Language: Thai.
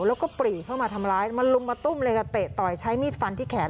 แล้วก็ปรีเข้ามาทำร้ายมาลุมมาตุ้มเลยค่ะเตะต่อยใช้มีดฟันที่แขน